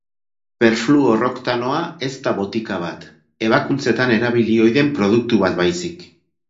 Perfluorooktanoa ez da botika bat, ebakuntzetan erabili ohi den produktu bat baizik.